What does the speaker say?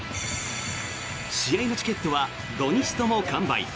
試合のチケットは土日とも完売。